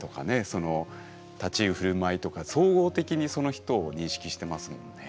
その立ち居振る舞いとか総合的にその人を認識してますもんね。